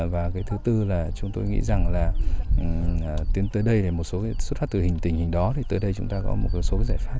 và cái thứ tư là chúng tôi nghĩ rằng là tới đây là một số cái xuất phát từ hình tình hình đó thì tới đây chúng ta có một số cái giải pháp